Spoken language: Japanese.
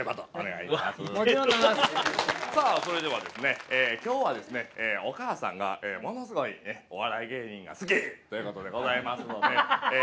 さぁそれでは今日はお母さんがものすごいお笑い芸人が好きということでございますのでえ